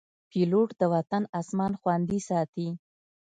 پیلوټ د وطن اسمان خوندي ساتي.